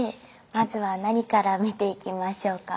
まずは何から見ていきましょうか？